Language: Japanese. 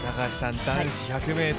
男子１００ｍ。